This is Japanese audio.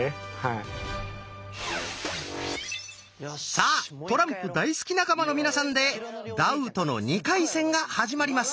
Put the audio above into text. さあトランプ大好き仲間の皆さんでダウトの２回戦が始まります！